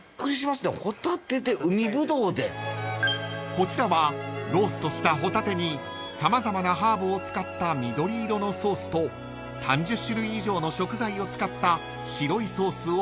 ［こちらはローストしたホタテに様々なハーブを使った緑色のソースと３０種類以上の食材を使った白いソースを合わせた一品］